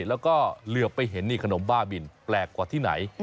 แล้วก็เหลือไปเห็นนี่ขนมบ้าบินแปลกกว่าที่ไหน